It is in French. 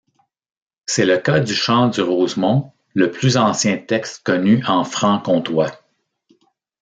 C'est le cas du chant du Rosemont, le plus ancien texte connu en franc-comtois.